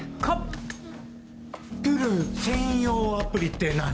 プル専用アプリって何？